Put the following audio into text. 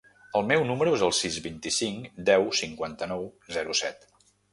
El meu número es el sis, vint-i-cinc, deu, cinquanta-nou, zero, set.